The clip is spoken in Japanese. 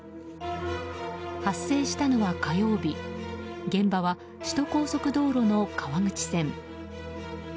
発生したのは火曜日現場は首都高速道路の川口線。